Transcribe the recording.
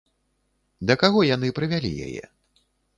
Да каго яны прывялі яе?